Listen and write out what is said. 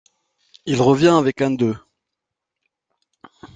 Il revient avec un deux.